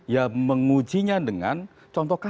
ya mengujinya dengan contoh